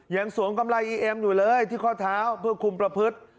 สวมกำไรอีเอ็มอยู่เลยที่ข้อเท้าเพื่อคุมประพฤติ